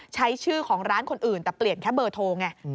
ใช้ชื่อของร้านคนอื่นแต่เปลี่ยนแค่เบอร์โทรไง